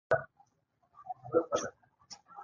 دا دېوان به له ېوې څېرمې ګونګي وي